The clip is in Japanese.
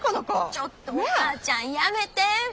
ちょっとお母ちゃんやめて！